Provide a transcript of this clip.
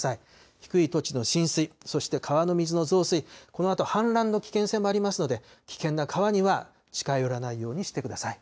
低い土地の浸水、そして川の水の増水、このあと氾濫の危険性もありますので、危険な川には近寄らないようにしてください。